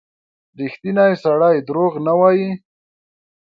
• ریښتینی سړی دروغ نه وايي.